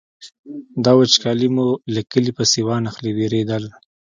دا وچکالي مو له کلي پسې وانخلي وېرېدل.